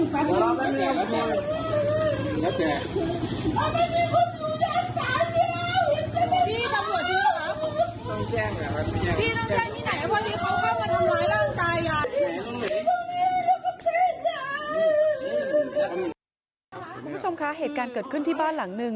คุณผู้ชมคะเหตุการณ์เกิดขึ้นที่บ้านหลังนึง